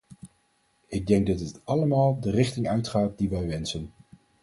Ik denk dat dit allemaal de richting uitgaat die wij wensen.